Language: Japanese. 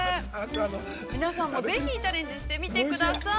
皆さんもぜひチャレンジしてみてください。